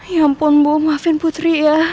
ya ampun bu maafin putri ya